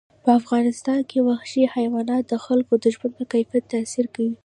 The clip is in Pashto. په افغانستان کې وحشي حیوانات د خلکو د ژوند په کیفیت تاثیر کوي.